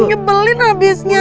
gue nyebelin abisnya